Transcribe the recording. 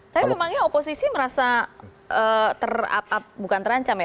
tapi memangnya oposisi merasa bukan terancam ya